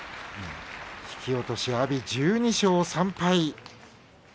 引き落とし、阿炎１２勝３敗。